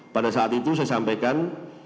pada saat itu saya sampaikan